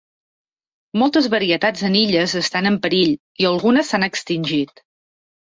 Moltes varietats en illes estan en perill i algunes s'han extingit.